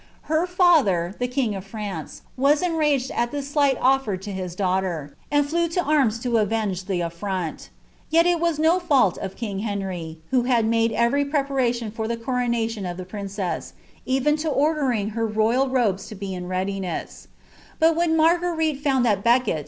Her faiJier, the king of France, was enmged at this slight nttatd to his daughter, and Hew to arms to avenge the afTront Yet it WW no bult of king Henry, who had made every preparatio cDrMMtion of ihe princess, even to ordering her royal robea to be in nwltaeM. But when !t1arguerite found that Becket.